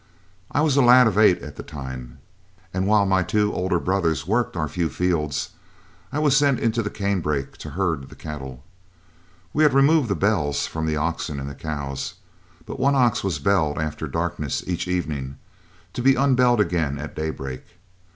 I was a lad of eight at the time, and while my two older brothers worked our few fields, I was sent into the canebrake to herd the cattle. We had removed the bells from the oxen and cows, but one ox was belled after darkness each evening, to be unbelled again at daybreak.